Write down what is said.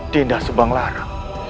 dinda subang lara